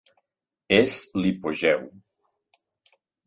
És l'hipogeu.